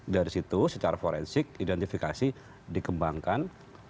dari situ secara forensik identifikasi dikembangkan